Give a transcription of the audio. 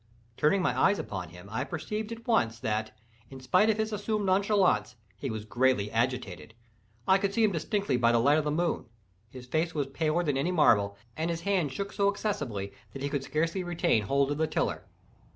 Turning my eyes upon him, I perceived at once that, in spite of his assumed nonchalance, he was greatly agitated. I could see him distinctly by the light of the moon—his face was paler than any marble, and his hand shook so excessively that he could scarcely retain hold of the tiller.